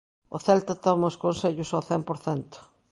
O Celta toma os consellos ao cen por cento.